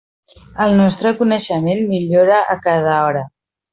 El nostre coneixement millora a cada hora.